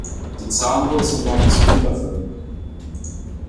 Die Zahnwurzeln waren zylinderförmig.